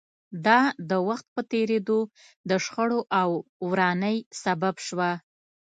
دا د وخت په تېرېدو د شخړو او ورانۍ سبب شوه